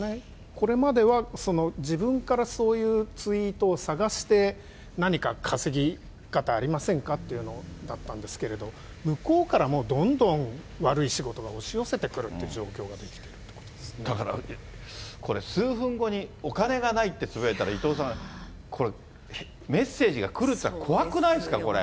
これまでは自分からそういうツイートを探して、何か稼ぎ方ありませんかっていうのだったんですけれど、向こうからどんどん悪い仕事が押し寄せてくるっていう状況ができだから、これ、数分後にお金がないってつぶやいたら、伊藤さん、これ、メッセージが来るって、怖くないですか、これ。